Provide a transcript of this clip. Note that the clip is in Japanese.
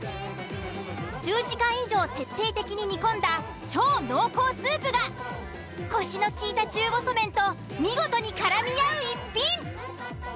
１０時間以上徹底的に煮込んだ超濃厚スープがコシのきいた中細麺と見事にからみ合う逸品！